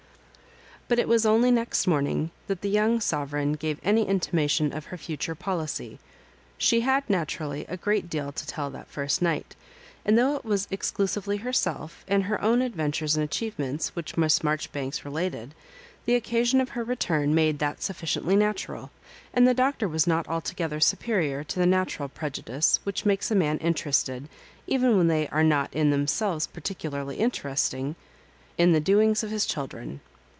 But it was only next morning that the young sovereign gave any intimation of her future poli icy. She had naturally a great deal to tell that first night ; and though it was exclusively her self, and her own adventures and achievements, which Miss Marjoribanks related, the occasion of her return made that sufficiently natural; and the Doctor was not altogether superior to the natural prejudice which makes a man inter ested, even when they are not in themselves particularly interesting, in the doings of his chil dren.